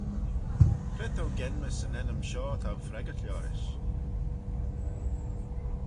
Cre t'ou genmys yn ennym shoh t'ou freggyrt liorish?